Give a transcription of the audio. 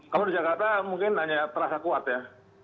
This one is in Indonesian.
kalau di jakarta mungkin hanya terasa kuat ya